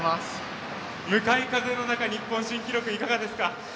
向かい風の中、日本新記録いかがでしたか？